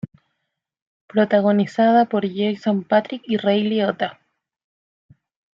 Protagonizada por Jason Patric y Ray Liotta.